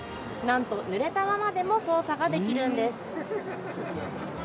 なんとぬれたままでも操作ができるんです。